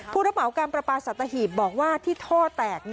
ผู้ระเหมาการประปาสัตหีบบอกว่าที่ท่อแตก